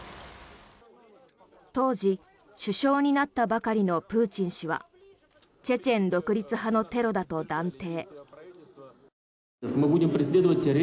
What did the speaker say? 当時、首相になったばかりのプーチン氏はチェチェン独立派のテロだと断定。